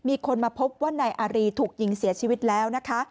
มีคนพบว่านายอารีทุกยิงเสียชีวิตแล้ว